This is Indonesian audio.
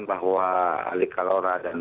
bahwa alikalora dan